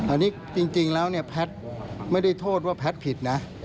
อันนี้จริงแล้วเนี่ยแพทย์ไม่ได้โทษว่าแพทย์ผิดนะ